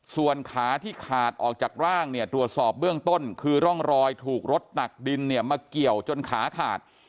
ส่วนขาที่ขาดออกจากร่างเนี่ยตรวจสอบเบื้องต้นคือร่องรอยถูกรถตักดินเนี่ยมาเกี่ยวจนขาขาด